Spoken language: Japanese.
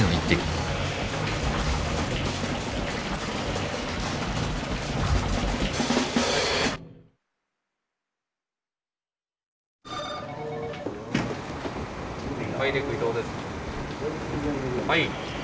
はい。